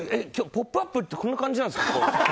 「ポップＵＰ！」ってこんな感じなんですか。